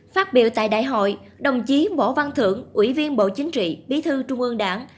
phát biểu tại đại hội đồng chí võ văn thưởng ủy viên bộ chính trị bí thư trung ương đảng